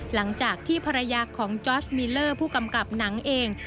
หลังจากที่ภรรยาของจอร์ชมิลเลอร์ผู้กำกับหนังเอง